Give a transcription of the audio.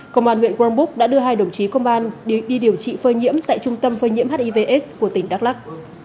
công an nguyễn quang búc đã đưa hai đồng chí công an đi điều trị phơi nhiễm tại trung tâm phơi nhiễm hivs của tỉnh đắk lắc